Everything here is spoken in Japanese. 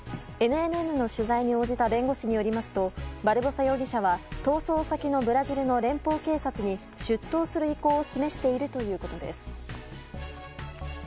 ＮＮＮの取材に応じた弁護士によりますとバルボサ容疑者は逃走先のブラジルの連邦警察に出頭する意向を示しているということです。